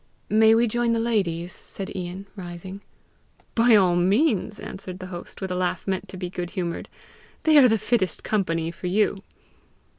"May we join the ladies?" said Ian, rising. "By all means," answered the host, with a laugh meant to be good humoured; "they are the fittest company for you."